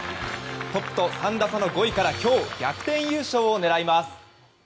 トップと３打差の５位から今日、逆転優勝を狙います。